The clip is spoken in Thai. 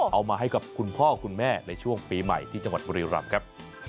เอามาให้กับคุณพ่อคุณแม่ในช่วงปีใหม่ที่จังหวัดบุรีรำครับ